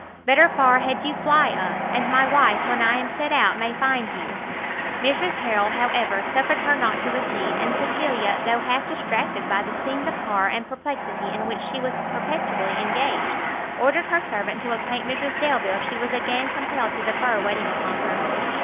better far had you fly us, and my wife when I am set out may find you." Mrs Harrel, however, suffered her not to recede; and Cecilia, though half distracted by the scenes of horror and perplexity in which she was perpetually engaged, ordered her servant to acquaint Mrs Delvile she was again compelled to defer waiting upon her.